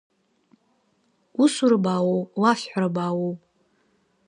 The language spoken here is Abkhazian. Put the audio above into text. Усура баауоу, лафҳәара баауоу?